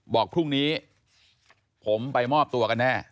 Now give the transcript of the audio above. บอกพรุ่งนี้ผมไปมอบตัวกันแน่